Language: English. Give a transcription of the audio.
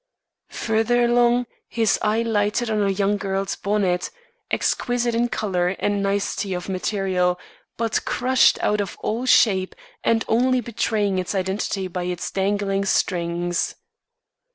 Further along, his eye lighted on a young girl's bonnet, exquisite in colour and nicety of material, but crushed out of all shape and only betraying its identity by its dangling strings.